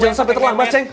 jalan sampe telah mak ceng